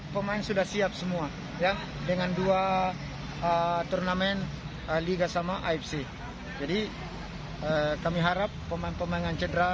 pemain sudah siap semua ya dengan dua turnamen liga sama afc jadi kami harap pemain pemain yang cedera